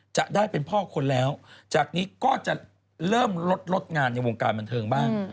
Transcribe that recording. จะได้เป็นพ่อคนแล้วจากนี้ก็จะเริ่มลดลดงานในวงการบันเทิงบ้าง